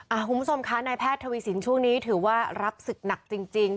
คุณผู้ชมคะนายแพทย์ทวีสินช่วงนี้ถือว่ารับศึกหนักจริงจริง